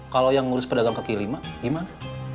kalau yang ngurus pedagang ke k lima gimana